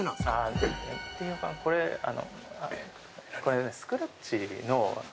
これあの。